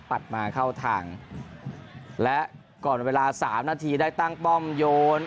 ตัดมาเข้าทางและก่อนเวลาสามนาทีได้ตั้งป้อมโยน